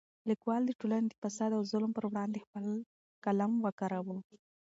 لیکوال د ټولنې د فساد او ظلم پر وړاندې خپل قلم وکاراوه.